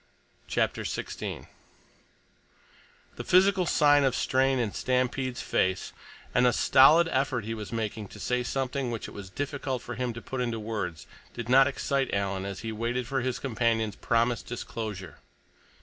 CHAPTER XVI The physical sign of strain in Stampede's face, and the stolid effort he was making to say something which it was difficult for him to put into words, did not excite Alan as he waited for his companion's promised disclosure.